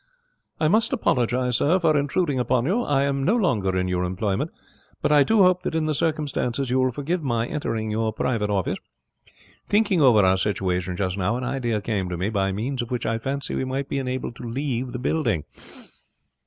'I must apologize, sir, for intruding upon you. I am no longer in your employment, but I do hope that in the circumstances you will forgive my entering your private office. Thinking over our situation just now an idea came to me by means of which I fancy we might be enabled to leave the building.'